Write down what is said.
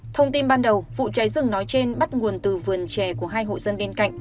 thông tin ban đầu vụ cháy rừng nói trên bắt nguồn từ vườn